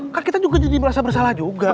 kan kita juga jadi merasa bersalah juga